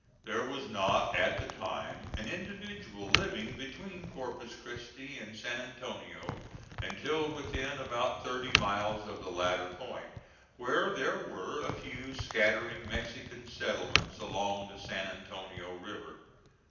There was not at the time an individual living between Corpus Christi and San Antonio until within about thirty miles of the latter point, where there were a few scattering Mexican settlements along the San Antonio River.